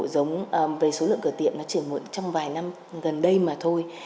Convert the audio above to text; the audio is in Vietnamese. giống với số lượng cửa tiệm nó chỉ một trong vài năm gần đây mà thôi